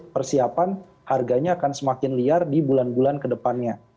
persiapan harganya akan semakin liar di bulan bulan kedepannya